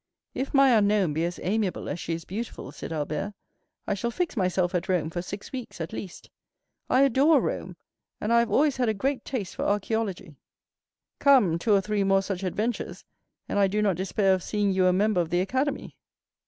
"If my unknown be as amiable as she is beautiful," said Albert, "I shall fix myself at Rome for six weeks, at least. I adore Rome, and I have always had a great taste for archæology." 20189m "Come, two or three more such adventures, and I do not despair of seeing you a member of the Academy."